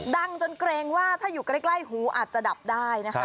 ดังจนเกรงว่าถ้าอยู่ใกล้หูอาจจะดับได้นะคะ